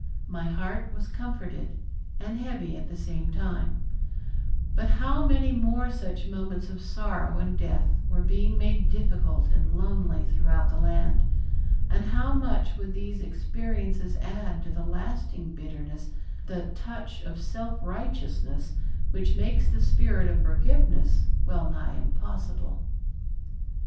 My heart was comforted and heavy at the same time; but how many more such moments of sorrow and death were being made difficult and lonely throughout the land, and how much would these experiences add to the lasting bitterness, that touch of self righteousness which makes the spirit of forgiveness well nigh impossible.